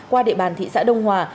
qua địa bàn thị xã đông hòa